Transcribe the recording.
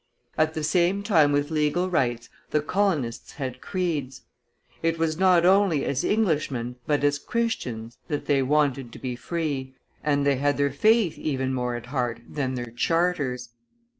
"At the same time with legal rights, the colonists had creeds. It was not only as Englishmen, but as Christians, that they wanted to be free, and they had their faith even more at heart than their charters.